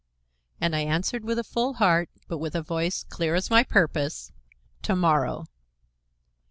And I answered with a full heart, but a voice clear as my purpose: "To morrow."